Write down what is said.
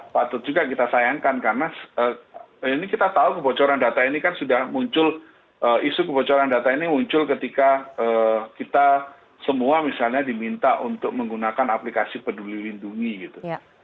patut juga kita sayangkan karena ini kita tahu kebocoran data ini kan sudah muncul isu kebocoran data ini muncul ketika kita semua misalnya diminta untuk menggunakan aplikasi peduli lindungi gitu